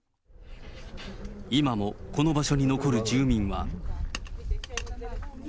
今もこの場所に残る住民は。